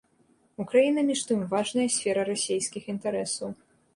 Украіна між тым важная сфера расейскіх інтарэсаў.